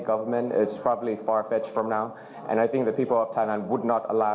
ก็คงจะเป็นประเภทที่จะต้องการ